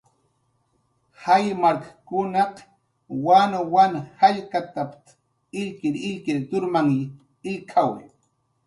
"Jaymarkkunaq wanwan jallkatp""t"" illkirillkir turmany illk""awi "